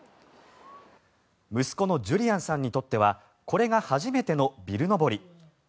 息子のジュリアンさんにとってはこれが初めてのビル登り。